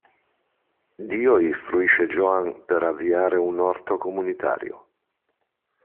Dio istruisce Joan per avviare un orto comunitario.